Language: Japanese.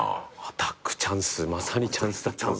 アタックチャンスまさにチャンスだったんすね。